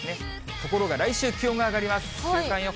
ところが来週、気温が上がります。